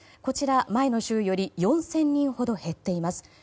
こちら前の週より４０００人ほど減っています。